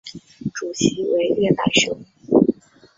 主席为叶柏雄。